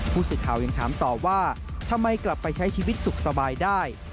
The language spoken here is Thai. ผู้สื่อข่าวยังถามต่อว่าทำไมกลับไปใช้ชีวิตสุขสบายได้